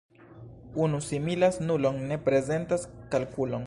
Unu similas nulon, ne prezentas kalkulon.